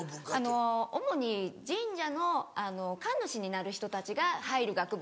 主に神社の神主になる人たちが入る学部なんですけど。